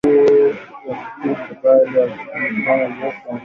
Idadi ya juu ya kupe baada ya msimu mrefu wa mvua